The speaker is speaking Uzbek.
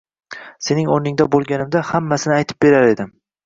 Sening o'rningda bo'lganimda, hammasini aytib berar edim.